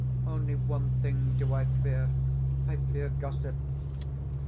Only one thing do I fear I fear gossip.